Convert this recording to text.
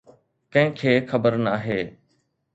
ڪنهن کي خبر ناهي.